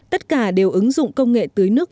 tất cả đều ứng dụng công nghệ tưới nước